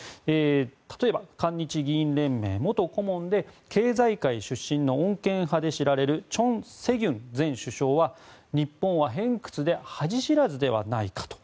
例えば、韓日議員連盟元顧問で経済界出身の穏健派で知られるチョン・セギュン前首相は日本は偏屈で恥知らずではないかと。